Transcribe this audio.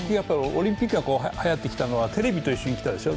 オリンピックがはやってきたのはテレビと一緒に来たでしょ。